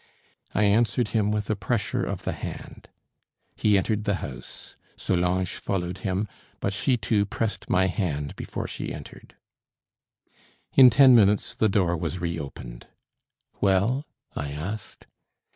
I answered him with a pressure of the hand. He entered the house. Solange followed him; but she, too, pressed my hand before she entered. In ten minutes the door was reopened. "Well?" I asked.